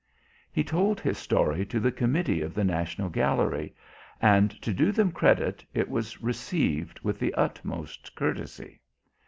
He told his story to the Committee of the National Gallery and, to do them credit, it was received with the utmost courtesy.